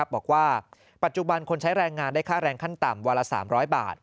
บอกว่าปัจจุบันคนใช้แรงงานได้ค่าแรงขั้นต่ำวันละ๓๐๐บาท